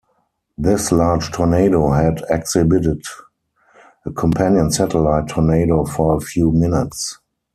This large tornado had exhibited a companion satellite tornado for a few minutes.